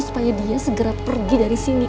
supaya dia segera pergi dari sini